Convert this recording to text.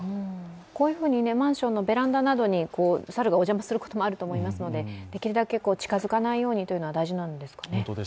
このようにマンションに猿がお邪魔することもあると思いますのでできるだけ近づかないようにということが大事なんですかね。